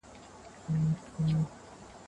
غچ اخیستل یو ډول خوند لري.